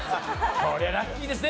こりゃラッキーですね